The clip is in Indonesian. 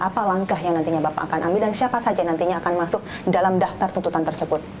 apa langkah yang nantinya bapak akan ambil dan siapa saja nantinya akan masuk dalam daftar tuntutan tersebut